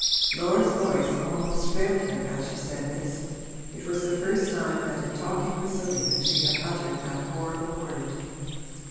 Laura's voice almost failed her as she said this it was the first time that in talking with Selina she had uttered that horrible word.